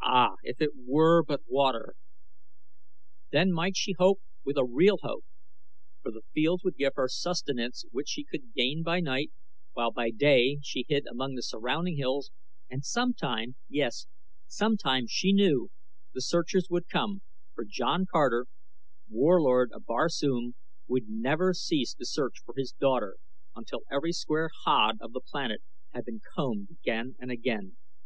Ah, if it were but water! Then might she hope with a real hope, for the fields would give her sustenance which she could gain by night, while by day she hid among the surrounding hills, and sometime, yes, sometime she knew, the searchers would come, for John Carter, Warlord of Barsoom, would never cease to search for his daughter until every square haad of the planet had been combed again and again.